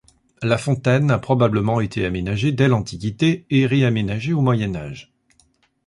La fontaine a probablement été aménagée dès l'Antiquité et réaménagée au Moyen Âge.